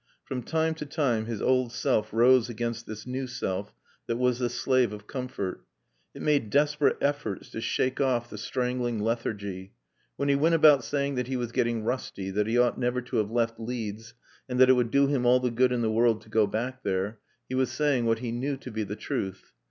From time to time his old self rose against this new self that was the slave of comfort. It made desperate efforts to shake off the strangling lethargy. When he went about saying that he was getting rusty, that he ought never to have left Leeds, and that it would do him all the good in the world to go back there, he was saying what he knew to be the truth.